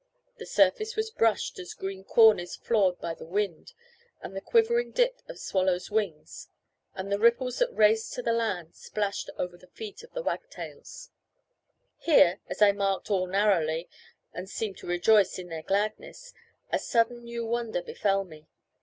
The surface was brushed, as green corn is flawed by the wind, with the quivering dip of swallows' wings; and the ripples that raced to the land splashed over the feet of the wagtails. Here, as I marked all narrowly, and seemed to rejoice in their gladness, a sudden new wonder befell me.